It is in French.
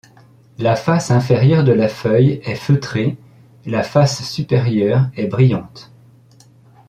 La face inférieure de la feuille est feutrée, la face supérieure est brillante.